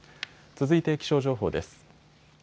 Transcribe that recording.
続いて気象情報です。